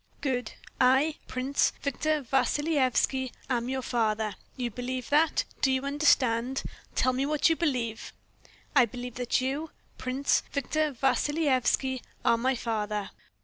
"Good. I, Prince Victor Vassilyevski, am your father. You believe that. Do you understand? Tell me what you believe." "I believe that you, Prince Victor Vassilyevski, are my father."